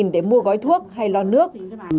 để mua gói thuốc hay lo nước